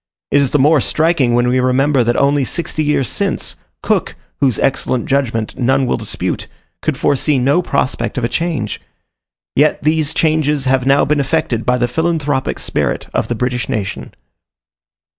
It is the more striking when we remember that only sixty years since, Cook, whose excellent judgment none will dispute, could foresee no prospect of a change. Yet these changes have now been effected by the philanthropic spirit of the British nation.